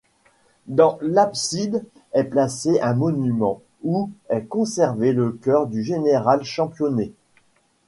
Dans l'abside est placé un monument où est conservé le cœur du général Championnet.